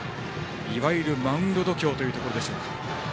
いわゆるマウンド度胸というところでしょうか。